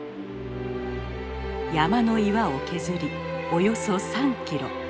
山の岩を削りおよそ３キロ。